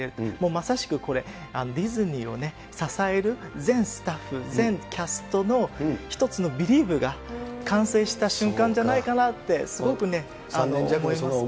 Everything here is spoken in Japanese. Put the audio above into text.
まさしくこれ、ディズニーをね、支える全スタッフ、全キャストの一つのビリーヴが完成した瞬間じゃないかなって、すごくね、思います。